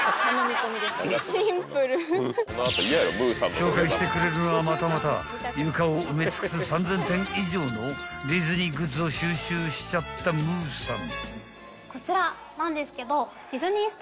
［紹介してくれるのはまたまた床を埋め尽くす３，０００点以上のディズニーグッズを収集しちゃったｍｕｕさん］